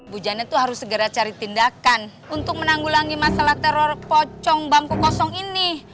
bu janet itu harus segera cari tindakan untuk menanggulangi masalah teror pocong bangku kosong ini